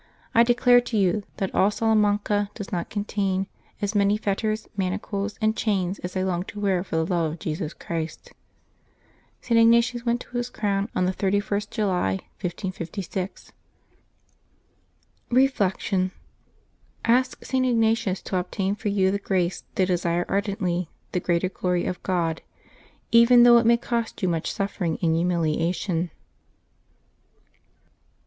I declare to you that all Salamanca does not contain as many fetters, manacles, and chains as I long to wear for the love of Jesus Christ." St. Ignatius went to his crown on the 31st July, 1556. Reflection. — Ask St. Ignatius to obtain for you the grace to desire ardently the greater glory of God, even though it may cost you much suffering and humiliation.